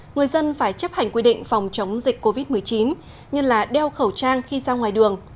người dân phải chấp hành quy định phòng chống dịch covid một mươi chín như là đeo khẩu trang khi ra ngoài đường